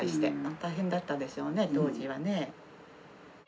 大変だったでしょうね、当時はね。